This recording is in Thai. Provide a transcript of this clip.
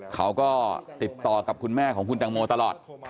เขาก็ติดต่อกับคุณแม่ของคุณตังโมตลอด